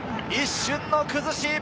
一瞬の崩し！